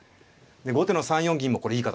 後手の３四銀もこれいい形です。